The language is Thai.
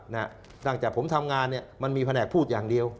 ตั้งแต่ผมทำงานเนี่ยมันมีแผนกพูดอย่างเดียว